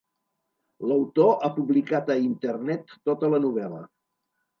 L"autor ha publicat a Internet tota la novel·la.